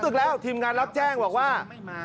ศึกแล้วทีมงานรับแจ้งบอกว่า